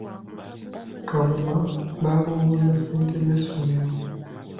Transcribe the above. Kawuma baamubuuza ssente z’essomero.